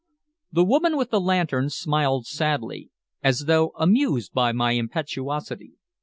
The woman with the lantern smiled sadly, as though amused by my impetuosity.